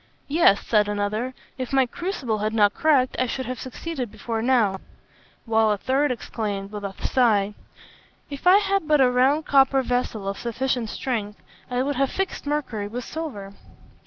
'Yes,' said another, 'if my crucible had not cracked, I should have succeeded before now;' while a third exclaimed, with a sigh, 'If I had but had a round copper vessel of sufficient strength, I would have fixed mercury with silver.'